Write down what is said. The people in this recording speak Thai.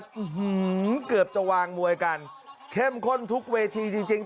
อื้อหือเกือบจะวางมวยกันเค่มข้นทุกเวทีจริง